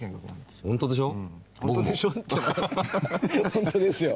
本当ですよ。